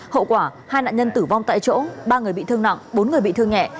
hậu quả hai nạn nhân tử vong tại chỗ ba người bị thương nặng bốn người bị thương nhẹ